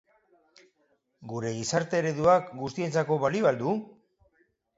Gure gizarte ereduak guztientzako balio al du?